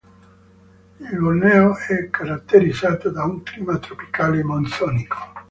Il Borneo è caratterizzato da un clima tropicale monsonico.